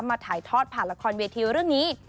ถ่ายทอดผ่านละครเวทีเรื่องนี้